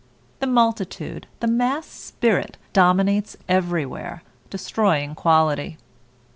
The multitude, the mass spirit, dominates everywhere, destroying quality.